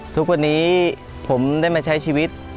ทุกวันนี้ผมได้มาใช้ชีวิต